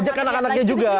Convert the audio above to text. ajak anak anaknya juga